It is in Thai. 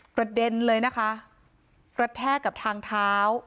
ประเด็นเลยนะคะกระแทกกับทางเท้า